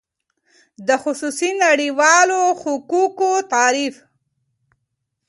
د خصوصی نړیوالو حقوقو تعریف :